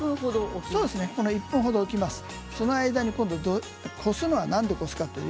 １分ほど置きますね。